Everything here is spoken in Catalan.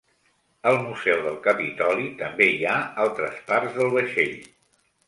Al Museu del Capitoli també hi ha altres parts del vaixell.